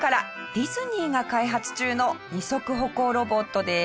ディズニーが開発中の二足歩行ロボットです。